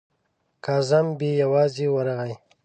کازم بې یوازې ورغی.